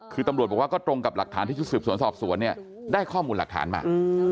คือตำรวจบอกว่าก็ตรงกับหลักฐานที่ชุดสืบสวนสอบสวนเนี่ยได้ข้อมูลหลักฐานมา